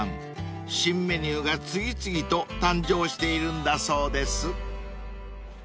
［新メニューが次々と誕生しているんだそうです］